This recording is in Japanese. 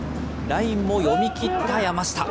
ラインも読みきった山下。